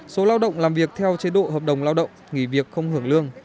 số lao động làm việc theo chế độ hợp đồng lao động nghỉ việc không hưởng lương